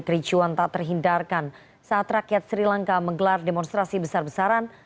kericuan tak terhindarkan saat rakyat sri lanka menggelar demonstrasi besar besaran